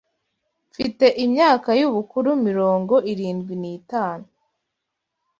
Mfite imyaka y’ubukuru mirongo irindwi n’itanu